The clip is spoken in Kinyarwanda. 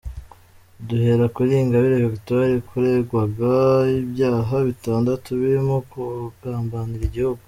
Duhere kuri Ingabire Victoire, waregwaga ibyaha bitandatu birimo kugambanira igihugu.